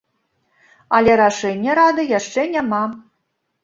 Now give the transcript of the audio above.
Але рашэння рады яшчэ няма.